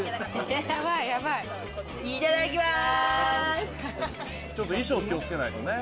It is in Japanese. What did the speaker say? いただきます。